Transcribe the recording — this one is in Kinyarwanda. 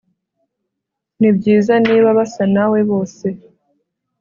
Nibyiza niba basa nawe bose